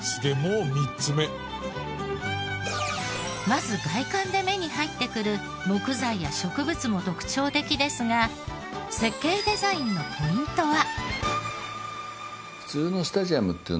まず外観で目に入ってくる木材や植物も特徴的ですが設計デザインのポイントは？